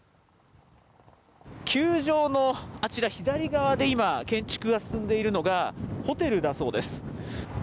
球場のあちら、左側で今、建築が進んでいるのが、ホテルだそうです。